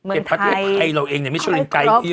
เก็บประเทศไทยเราเองเนี่ยไม่ช่วยเรียนไกลเยอะ